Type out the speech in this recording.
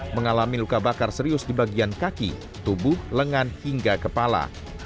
mengalami luka bakar serius di bagian kaki tubuh lengan hingga kepala